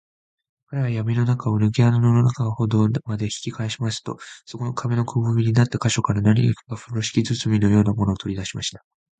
彼はやみの中を、ぬけ穴の中ほどまで引きかえしますと、そこの壁のくぼみになった個所から、何かふろしき包みのようなものを、とりだしました。